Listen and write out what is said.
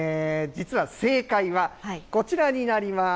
実は正解は、こちらになります。